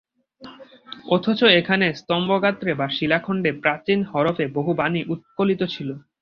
অথচ এখানে স্তম্ভগাত্রে বা শিলাখণ্ডে প্রাচীন হরফে বহু বাণী উৎকলিত ছিল।